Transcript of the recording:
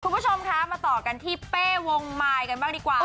คุณผู้ชมคะมาต่อกันที่เป้วงมายกันบ้างดีกว่า